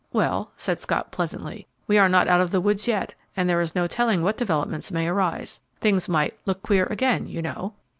"Well," said Scott, pleasantly, "we are not out of the woods yet, and there is no telling what developments may arise. Things might 'look queer' again, you know."